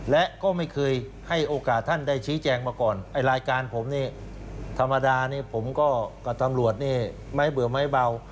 และก็ไม่เคยให้โอกาสท่านได้ชี้แจงมาก่อนไอ้รายการผมนี่ธรรมดานี่ผมก็กับตำรวจนี่ไม้เบื่อไม้เบา